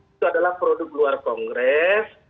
itu adalah produk luar kongres